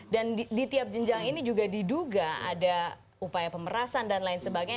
di tiap jenjang ini juga diduga ada upaya pemerasan dan lain sebagainya